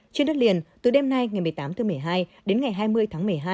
trên đất liền từ đêm nay ngày một mươi tám tháng một mươi hai đến ngày hai mươi tháng một mươi hai